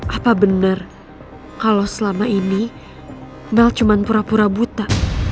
apa benar kalau selama ini mel cuma pura pura buta